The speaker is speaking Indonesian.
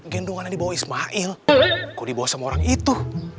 gendongannya dibawa ismail kok dibawa sama orang itu